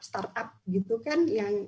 startup gitu kan